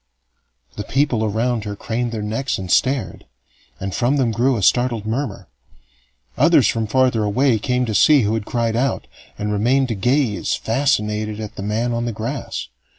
The people around her craned their necks and stared, and from them grew a startled murmur. Others from farther away came to see who had cried out, and remained to gaze fascinated at the man on the grass.